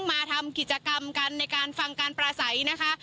มาทำกิจกรรมกันในการฟังการประสัยนะคะ